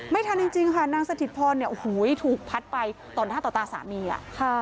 ไม่ทันจริงค่ะนางสถิตพรเนี่ยโอ้โหถูกพัดไปต่อหน้าต่อตาสามีอ่ะค่ะ